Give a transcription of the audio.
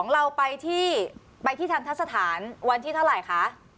เราไปที่ไปที่ทันทะสถานวันที่เท่าไหร่คะ